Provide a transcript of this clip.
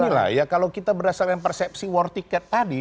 beginilah ya kalau kita berdasarkan persepsi war ticket tadi